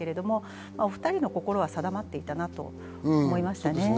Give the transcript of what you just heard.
２人の心は定まっていたなと思いました。